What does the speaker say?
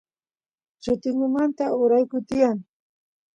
llutingumanta uraykuy tiyan